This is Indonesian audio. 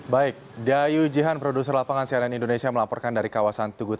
baik dayu jihan produser lapangan cnn indonesia melaporkan dari kawasan tugu sepuluh